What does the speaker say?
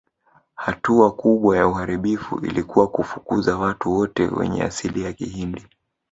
Hatua kubwa ya uharibifu ilikuwa kufukuza watu wote wenye asili ya Kihindi